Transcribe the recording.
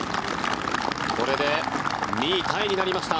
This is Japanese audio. これで２位タイになりました。